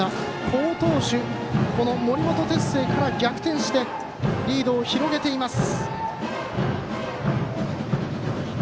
好投手、森本哲星から逆転してリードを広げています。